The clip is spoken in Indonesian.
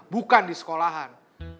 bukan di sekolahan